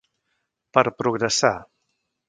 Per progressar.